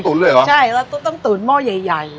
อ๋อ๒ตุ๋นเลยเหรอใช่แล้วต้องตุ๋นหม้อใหญ่